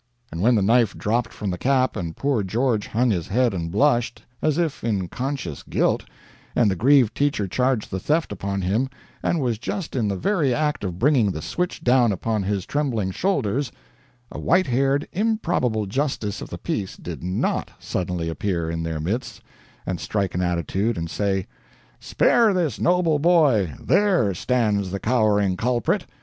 And when the knife dropped from the cap, and poor George hung his head and blushed, as if in conscious guilt, and the grieved teacher charged the theft upon him, and was just in the very act of bringing the switch down upon his trembling shoulders, a white haired, improbable justice of the peace did not suddenly appear in their midst, and strike an attitude and say, "Spare this noble boy there stands the cowering culprit!